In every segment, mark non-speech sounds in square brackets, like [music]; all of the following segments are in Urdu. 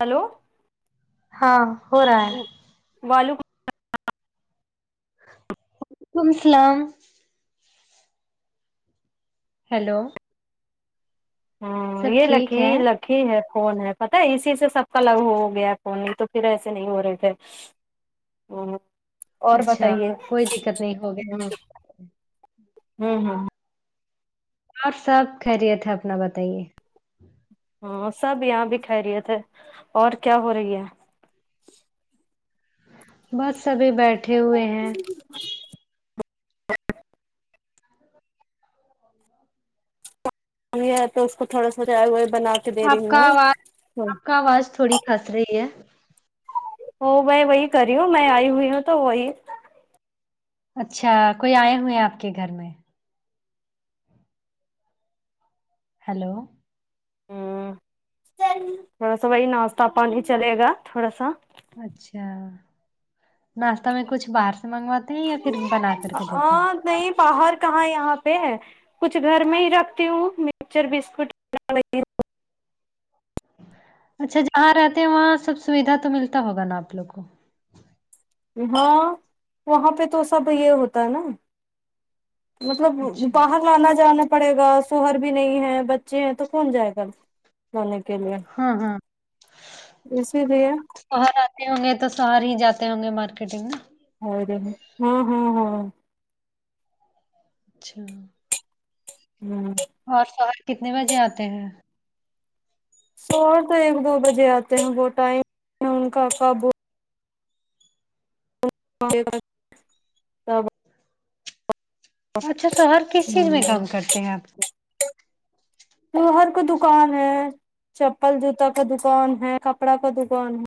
ہیلو ہاں ہو رہا ہے والو [unintelligible] وعلیکم السلام ہیلو ہاں سب یہ ٹھیک لکھی ہے لک ہی ہے فون ہے پتا ہے اسی سے سب کا لگو ہو گیا ہے فون میں تو پھر ایسے نہیں ہو رہے تھے ہ اور اچھا بتائیے کوئی دقت نہیں ہو ہ گیا ہوں ہاں اور سب خیریت ہے اپنا بتائیے ہاں سب یہاں بھی کہریت رہے تھے اور کیا ہو رہی ہے بس سبھی بیٹھ یہ ہے تو اس کو تھوڑا سا چائے واے بنا کے دے آپ رہی کا ہوں آواز آپ کا آواز تھوڑی پھنس رہی ہے ہو مائی وہی کری ہ میں آئی ہوئی ہوں تو وہی اچھا کوئی آئے ہوئے ہیں آپ کے گھر میں ہیلو تھوڑا سا وہی ناشہ پانی ہی چلے گا تھوڑا سا اچھا ناشتہ میں کچھ باہر سے منگواتی یا پھر بنا کر کے دیتے ہیں ہاں نہیں بہار کہاں یہاں پہ کچھ گھر میں ہی رکھتی ہوں مچر بسکٹ لا لیتی ہو اچھا جہاں رہتے ہیں وہاں سب سویدھا تو ملتا ہوگا نا آ پ لوگ کو ہاں وہاں پہ تو سب یہ ہوتا ہے نا مطلب اچھا باہر تو انا جانا پڑے گا شوہر بھی نہیں ہے بچے ہیں تو کون جائے گا جانے کے لیے ہاں ہاں اسی لیے شوہر آتے ہوں گے تو شوہر ہی جاتے ہوں گے مارکیٹنگ میں ہی ہا ہا ہا اچھا ہوں اور شو ہر کتنے بجے آتے ہیں شو ہر تو ایک دو بجے آتے ہیں وہ ٹائم ان کا کاب تے اچھا تو شوہر کس چیز میں کام کرتے ہیں آپ کے شوہر کا دکان ہے چپل جوتا کا دکان ہے کپڑا کا دکان ہے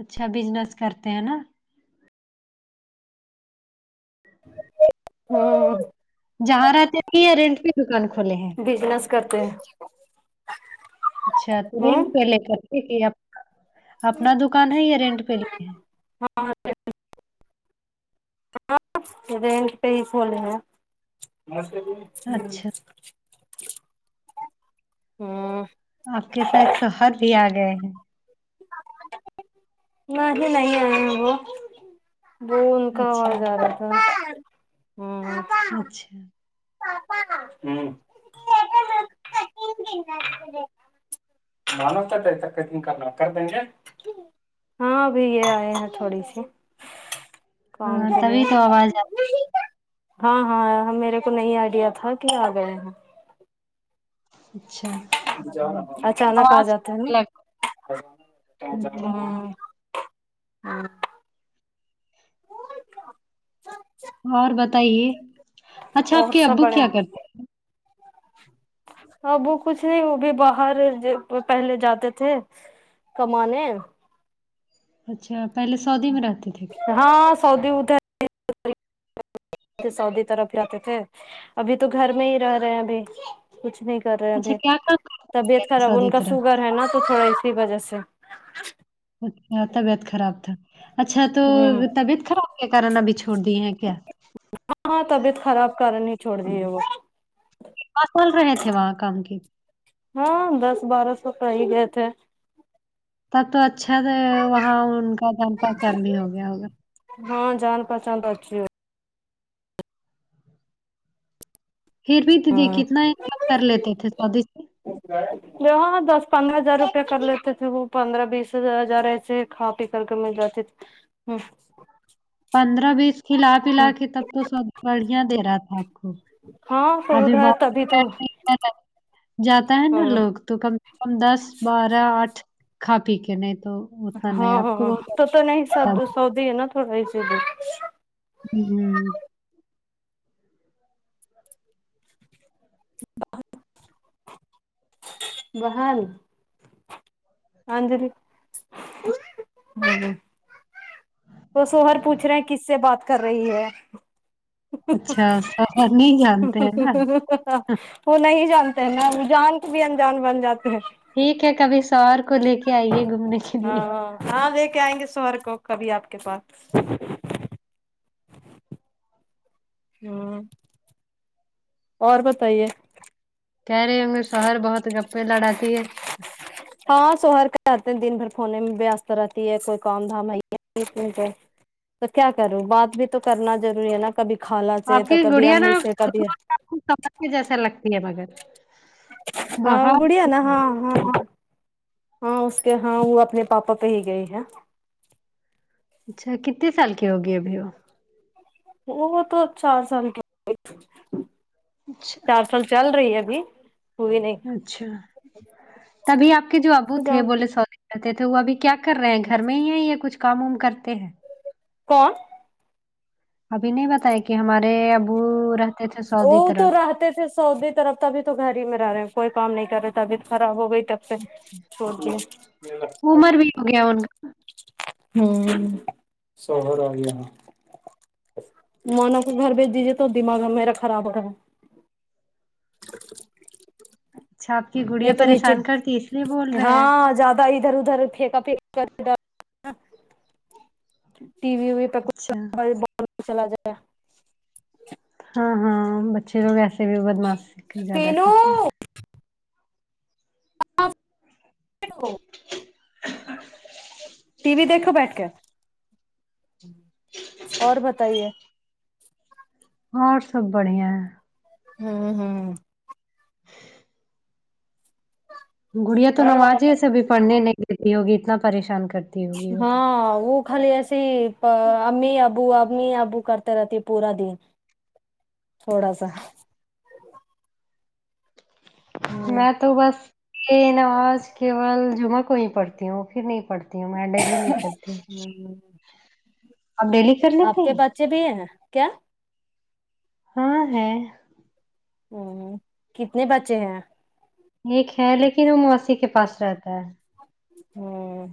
اچھا بزنس کرتے ہیں نا ہاں جہاں رہ آتے تھی رینٹ پ دکان کھولے ہیں بزنس کرتے ہیں اچھا تو ہوں رینٹ پہ لے کر ٹھیک ہے اب اپنا دکان ہے یا رینٹ پہ لیے ہے ہاں ہاں رینٹ پہ ہی کھولے ہیں وہ ہیں اچھا ہ ہاں آپ کے ساتھ شوہر بھی آ گئے ہیں نہیں نہیں آے ہ وہ وہ ان کا اچھا آواز آ رہا تھا ہوں اچھا پاپا ہاں ان کو دھکے کاڈینگ کارتھیج بول رے کانو تک ترکن کرنا کرر دیں گ ہاں ابھی یہ آئے ہیں تھوڑی سی کام ہاں کیلئے تبھی تو آواز آ ہاں ہاںے میرے کو کو نہیں آئیڈیا تھا کہ آ گئے ہیں اچھا کاہی جارہا تھا چانک آ آواز جاتا ہے نا لگ اچھا ہ ہاں اور بتائیے اچھا اور آپ کے سب ابو بڑے کیا کرتے ابو کچھ نہیں وہ بھی باہر پہلے جاتے تھے کمانے اچھا پہلے سعودی میں رہتی تھی ہاں سعودی ادھر سعودی طرف جاتے تھے ابھی تو گھر میں ہی رہ رہے ہیں ابھی کچھ نہیں کر رہے اچھا ابھی کیا کام کرتے ہیں طبیعت پہلے خراب ان سعودی کا طرف سوگر ہے نا تو تھوڑا اسی وجہ سے اچھا طبیعت خراب تھا اچھا تو ہوں طبیعت خراب کے کارن ابھی چھوڑ دی ہیں کیا ہاں ہاں طبیعت خراب کارن ہی چھوڑ دیے وہ پ چول رہے تھے وہاں کام کی ہاں دس بارہ سو کہ ہی گئے تھے تب تو اچھا سے وہاں ان کا جان پہچان بھی ہو گیا ہوگا ہاں جان پہچان اچھی پھر بھی دیدی ہاں کتنا ان کام کر لیتے تھے سوادیش سے جو ہاں دس پندرہ ہزار روپیہ کر لیتے تھے وہ پندرہ بیس ہزار ایسے کھاتے کرتے مل جاتی ہ پندرہ بیس کھلا پلا کے تب تو سب بڑھیاں دے رہا تھا ہاں تو ابھی ادھر بت تبھی تو جاتا ہے نا ہاں لوگ تو کم سے کم دس بارہ آٹھ کھا پی کے نہیں تو اتنا نہیں ہاں آپ کو ہاں بہت تو تو نہیں حساب اچھا تھا۔ سودی ہے نا تھوڑا ہیسب ہو ب بحال ہاں ج [inaudible] تو سوہر پوچھ رہے کس سے بات کر رہی ہے ہ اچھا سفر نہیں جانتے ہیں نا؟ ه ہ وہ نہیں جانتے ہیں نا جان کے بھی انجان بن جاتے ہیں ٹھیک ہے کبھی سوہر کو لے کے آئیے گھومنے کے لیے ہاں ہاں لے کے آئیں گے سوہر کو کبھی آپ کے پاس ہں اور بتائیے کہہ رہی ہوںے شوہر بہت گپیں لڑاتی ہے ہاں شہر کے رہتے ہیں دن بھر کھونے میں وست رہتی ہے کوئی کام دھام ہے کو تو کیا کروں بات بھی تو کرنا ضروری ہے نا کبھی خالہ سے تو کبھی امی سے کبھی کچ سمجتے جیسا لگتی ہے مگر ہاں گڑیا بہت نا ہاں ہاں ہاں ہاں اس کے ہاں وہ اپنے پاپا پہ ہی گئی ہے اچھا کتنے سال کی ہوگی ابھی وہ وہ تو چار سال کے ہو اچھا چار تو چل رہی ہے ابھی ہوئی نہیں اچھا تبھی آپ کے جو ابو جا تھے بولے سوری کہتے تھے وہ ابھی کیا کر رہے ہیں گھر میں ہی ہیں یا کچھ کام ووم کرتے ہیں کون ابھی نہیں بتایا کہ ہمارے ابو رہتے تھے سعودی وہ تو طرف رہتے تھھر سعودی طرف تبھی تو گھر ہی میں رہے ہیں کوئی کام نہیں کر رہے طبیعت خراب ہو گئی تب سے اچھا چھوڑ عمر بھی ہو گیا ان کا ہ شوہر آگیا مونا کو گھر بھیج دیجیے تو دماغ میرا خراب ہو رہا ہے چھپ کے گ یہ تو نیچے ہاں زیادہ ادھر ادھر [unintelligible] وی ووی پر کچھ اچھا بہت وہ تو چلا جایا ہاں ہاں بچے وائے سے بھی بدماشی زیادہ پینو کرتے ہیں [unintelligible] ٹی وی دیکھو بیٹھ کے اور بتائیے اور سب بڑھیا ہیں ہوں ہوں گڑیاں تو ہوں نمازے اسے بھی پڑھنے نہیں دیتی ہوگی اتنا پریشان کرتی ہوگی وہ تو ہاں وہ خالی ایسے ہی پا امی ابو امی ابو کرتے رہتی ہے پورا دن تھوڑا سا ہوں میں تو بس یہ نماز کیول جمعہ کو ہی پڑھتی ہوں پھر نہیں پڑھتی ا میں ڈیلی نہیں کرتی ہ ہوں اب ڈیلی کر آپ لیتے کے ہیں بچے بھی ہیں کیا ہاں ہے ہوں کتنے بچے ہیں ایک ہے لیکن وہ موسی کے پاس رہتا ہے ہوں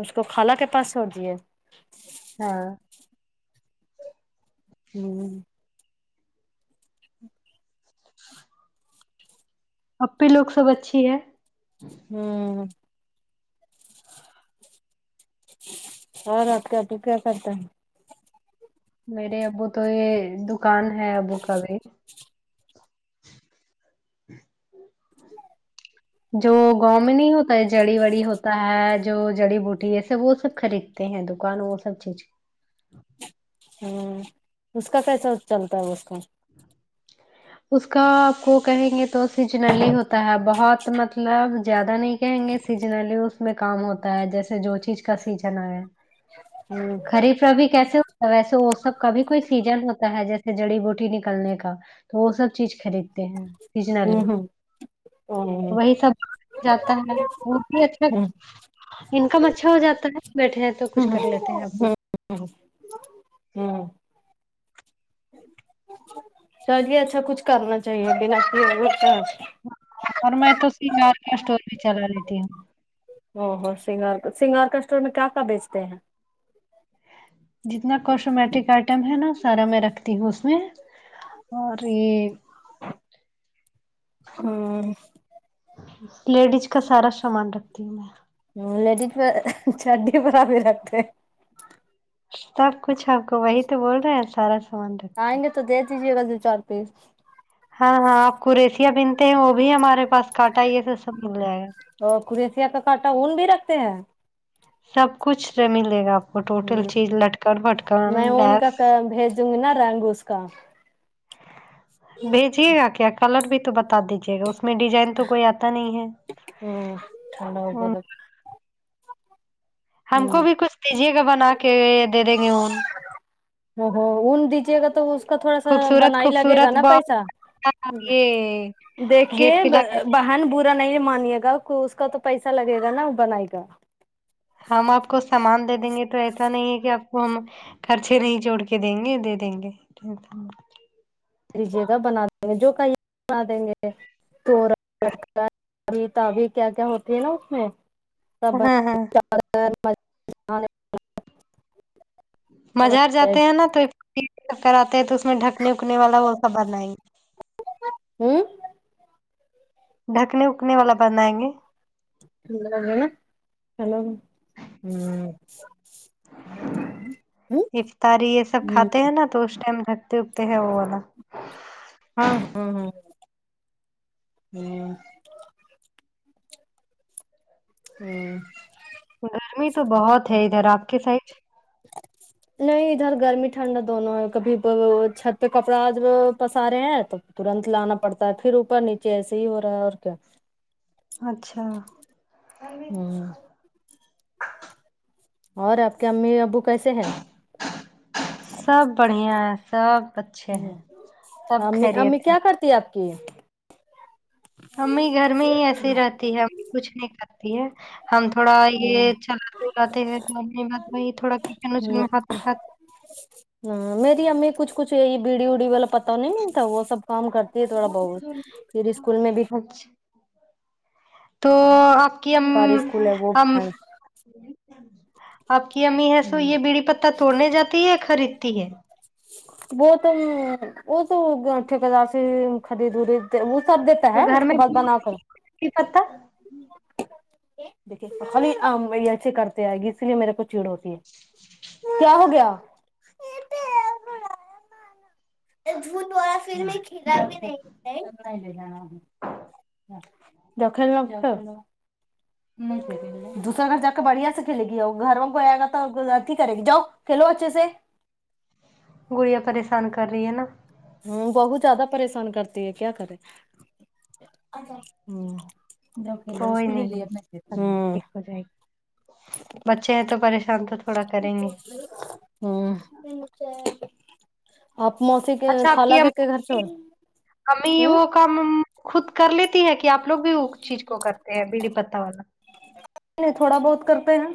اس کو خالہ کے پاس چھوڑ دیے ہاں ہوں ایپی لوگ سب اچھی ہے ہوں اور اپ کا ابو کیا کرتا ہے میرے ابو تو یہ دکان ہے ابو کا بھی جو گاؤں میں نہیں ہوتا ہے جڑی وڑی ہوتا ہے جو جڑی بوٹی یہ سب وہ سب خرید ہیں دکان وہ سب چیز ہوں اس کا کیسا چلتا ہے اس کا اس کا آپ کو کہیں گے تو س سیزنلی ہوتا ہے بہت مطلب مطلب اب زیادہ نہیں کہیں گے سیزنلی اس میں کام ہوتا ہے جیسے جو چیز کا سیزن آیا ہوں خریفرا بھی کیسے ہوتا ہے ویسے وہ سب کا بھی کوئی سیزن ہوتا ہے جیسے جڑی بوٹی نکلنے کا تو وہ سب چیز خریدتے ہیں ہوں سیجنلی ہوں وہی سب جاتا ہے وہ بھی اچھا ہوں انکم اچھا ہو جاتا ہے بیٹھے ہیں تو کچھ کر لیتے ہیں اپ ہمم ہ ہمم چلیے اچھا کچھ کرنا چاہیے بنا اور میں تو اس کی کار کی اسٹور بھی چلا لیتی ہوں او ہو سنگار سگار کا اسٹور میں کیا کیا بیچتے ہیں جتنا کوسٹمیٹک آئٹم ہے نا سارا میں رکھتی ہوں اس میں اور یہ ہاں لیڈیز کا سارا سامان رکھتی ہوں میں لیڈ پ چڈی پر آپ بھی رکھتے سب کچھ آپ کو وہی تو بول رہے ہیں سارا سامان رکھ آئیں گے تو دے دیجے گا دو چار پیس ہاں ہاں آپ قرییسیا پہنتے ہیں وہ بھی ہمارے پاس کاٹا یہ س سب مل جائے گا اور کرییسیا کا کٹا اون بھی رکھتے ہیں سب کچھ ملے گا آپ کو ہ ٹوٹل چیز لٹکن پھٹکن میں ان کا لیس بھیج دوں گی نا رنگ اس کو کام ہے بھیجیے گا کیا کلر بھی تو بتا دیجے گا اس میں ڈیزائن تو کوئی آتا نہیں ہے ہمم [unintelligible] اون ہوود ہم کو ہوں بھی کچھ دیجیے گا بنا کے دے دیں گے اون ہمم ہمم اون دیجیے گا تو اس کا تھوڑا سا خوبصورت بنا ہی لگے گا خوبصورت نا پیسہ بہت یہ دیکھیے گیٹ پہ لگا [unintelligible] ہ ن برا نہیں مانیے گا اس کا تو پیسہ لگے گا نا بنائے گا ہم آپ کو سامان دے دیں گے تو ایسا نہیں ہے کہ آپ وہ ہم خرچے نہیں جوڑ کے دیں گے دے دیں گے کر لیجیے گا بنا دیں گے جو کہیے بنا دیں گے توورا [inaudible] لٹکای تبی کیا کیا ہوتی ہے نا اس میں سب ہاں ہاں [inaudible] بازار جاتے ہوں ہیں نا تو کر آتے ہے تو اس میں ڈھکنے اکنے والا وہ سب بنای ہوں ڈھکنی اکنے والا بنائیں گے ہیلو افطاری یہ سب کھاتے ہیں نا تو اس ٹائم جکتے اگتے ہیں وہ والا ہاں ہاں ہ ہوں گرمی تو بہت ہے ادھر آپ کے سائڈ نہیں ادھر گرمی ٹھنڈا دونوں ہے کبھی چھت پہ کپڑا آج وہ پسا رہے ہیں تو ترنت لانا پڑتا ہے پھر اوپر نیچے ایسے ہی ہو رہا ہے اور کیا اچھا ہوں اور آپ کے امی ابو کیسے ہیں سب بڑھیا ہے سب اچھے ہیں ہ سب امی امی خیریت کیا کرتی ہے آپ کی امی گھر میں ہی ایسی رہتی ہے امی کچھ نہیں کرتی ہے ہم تھوڑا ہ یہ چلاتے ولاتے ہیں تو بات وہ تھوڑا کچن وچن میں ہات ھات ہوں میری امی کچھ کچھ یہ بیڑی ووڑی وال اپ پتا نہیں ملتا وہ سب کام کرتی ہے تھوڑا بہت پھر اسکول میں بھی اچھا تو آپ کی ام سرکاری اسکول ہے وہ ام آپ کی امی ہے سو ہوں یہ بیڑی پتہ توڑنے جاتی ہے یا خریدتی ہے وہ تم وہ تو ٹھیکدار سے خریدری ورید وہ سب دیتا تو ہے گھر اس کے میں بعد بنا بیڑی کر پتہ خلی ام ویسے کر آئے گی اسی لیے میرے کو چڑ ہوتی ہے کیا ہو گیا [inaudible] دخل نکو دوسرا گھر جا کے بڑھیا سے کھیلے گی اور گھر میں کو آئے گا تو گلاٹھی کرے گی جاؤ کھیلو اچھے سے گڑیاں پریشان کر رہی ہے نا ہوں بہت زیادہ پریشان کرتی ہے کیا کرے ہوں کوئی نہیں سب چاہے تو پریشان تو تھوڑا کریں گے ہوں آپ موسی کے اچھا آپ خالہ کی کر کے گھر چھوڑ ہوں کامم خود کر لیتی ہے کہ آپ لوگ بھی اس چیز کو کرتے ہیں بیڑی پتہ والا نہیں تھوڑا بہت کرتے ہیں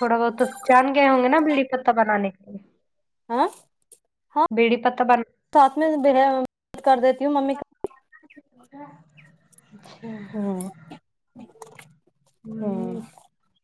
تھوڑا بہت جان گئے ہوں گے نا بیڑی پتہ بنانے ہوں بیڑی پتہ بن ساتھ میں برا کر دیتی ہوں ممی کا اچھا ہمم ہمم